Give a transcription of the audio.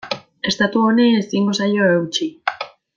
Estatu honi ezingo zaio eutsi.